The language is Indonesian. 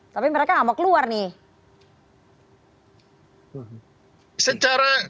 tapi mereka nggak mau keluar nih